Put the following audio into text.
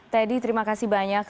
teddy terima kasih banyak